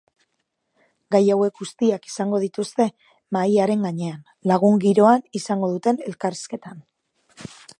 Gai hauek guztiak izango dituzte mahaiaren gainean, lagun giroan izango duten elkarrizketan.